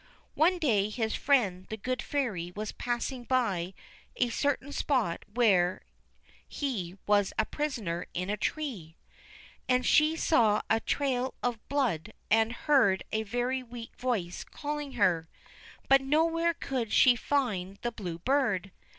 One day his friend the Good Fairy was passing by a certain spot where he was a prisoner in a tree, and she saw a trail of blood and heard a very weak voice calling her, but nowhere could she find the Blue Bird.